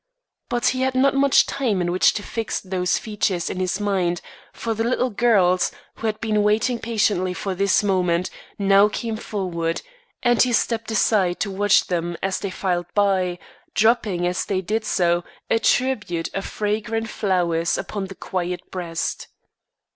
But he had not much time in which to fix those features in his mind; for the little girls, who had been waiting patiently for this moment, now came forward; and he stepped aside to watch them as they filed by, dropping as they did so, a tribute of fragrant flowers upon the quiet breast.